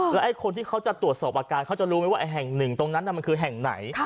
แล้วไอ้คนที่เขาจะตรวจสอบอาการเขาจะรู้ไหมว่าไอ้แห่งหนึ่งตรงนั้นมันคือแห่งไหน